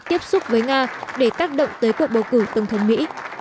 tiếp xúc với nga để tác động tới cuộc bầu cử tổng thống mỹ